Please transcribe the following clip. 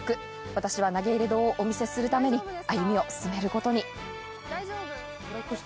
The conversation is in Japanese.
私は投入堂をお見せするために歩みを進めるために。